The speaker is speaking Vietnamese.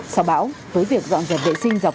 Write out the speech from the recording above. sau bão với việc dọn dẹp vệ sinh dọc